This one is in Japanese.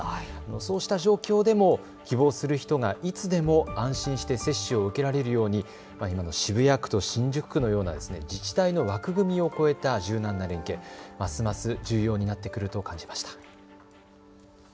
そうした状況でも希望する人がいつでも安心して接種を受けられるように今の渋谷区と新宿区のような自治体の枠組みをこえた柔軟な連携、ますます重要になってくると感じました。